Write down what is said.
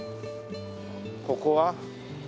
ここは？